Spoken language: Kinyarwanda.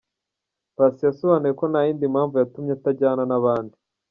Paccy yasobanuye ko nta yindi mpamvu yatumye atajyana n'abandi.